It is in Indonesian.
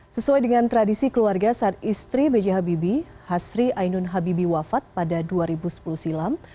sesuai dengan tradisi keluarga saat istri b j habibie hasri ainun habibi wafat pada dua ribu sepuluh silam